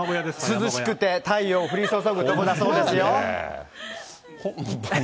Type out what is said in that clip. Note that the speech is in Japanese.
涼しくて、太陽降り注ぐ所だそうですよ。